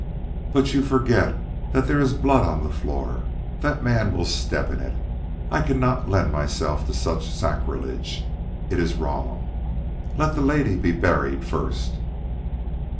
"But you forget that there is blood on that floor. That man will step in it. I cannot lend myself to such sacrilege. It is wrong. Let the lady be buried first."